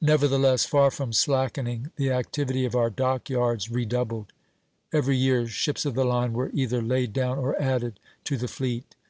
Nevertheless, far from slackening, the activity of our dock yards redoubled. Every year ships of the line were either laid down or added to the fleet.